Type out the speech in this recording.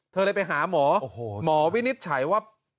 เลยไปหาหมอหมอวินิจฉัยว่า